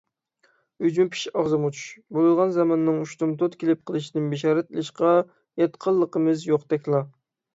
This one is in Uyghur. «ئۈجمە پىش، ئاغزىمغا چۈش» بولىدىغان زاماننىڭ ئۇشتۇمتۇت كېلىپ قېلىشىدىن بېشارەت ئېلىشقا ياتقىنلىقىمىز يوقتەكلا.